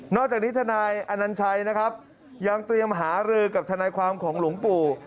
จากนี้ทนายอนัญชัยนะครับยังเตรียมหารือกับทนายความของหลวงปู่